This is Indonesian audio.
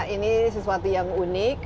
ini sesuatu yang unik